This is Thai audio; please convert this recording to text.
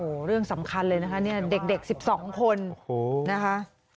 โอ้โหเรื่องสำคัญเลยนะคะเนี่ยเด็ก๑๒คนนะคะ